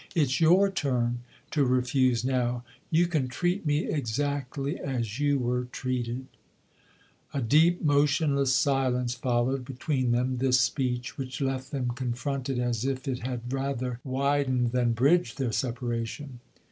It's your turn to refuse now you can treat me exactly as you were treated !" A deep, motionless silence followed, between them, this speech, which left them confronted as if it had rather widened than bridged their separation.